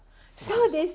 そうです。